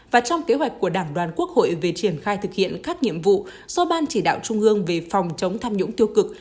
và trong kế hoạch của đảng đoàn quốc hội về triển khai thực hiện các nhiệm vụ do ban chỉ đạo trung ương về phòng chống tham nhũng tiêu cực